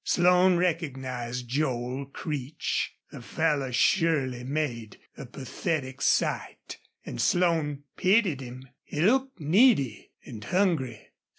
Slone recognized Joel Creech. The fellow surely made a pathetic sight, and Slone pitied him. He looked needy and hungry.